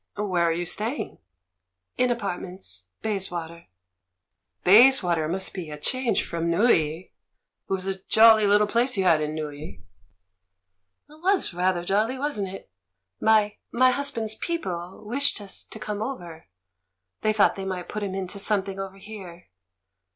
"Where are you staying?" "In apartments — Bayswater." "Bayswater must be a change from Neuilly? It was a jolly little place you had in Neuilly!" "It was ratlier jolly, wasn't it? My — my hus band's people wished us to come over; thej^ thought they might put him into something over here.